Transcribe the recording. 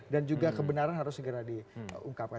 dan juga kebenaran harus segera diungkapkan